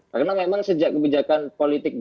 karena memang sejak kebijakan politik